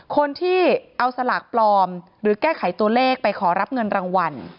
คนที่เอาสลากปลอมหรือแก้ไขตัวเลขไปขอรับเงินรางวัล